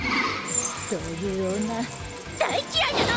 そういう女大嫌いなの！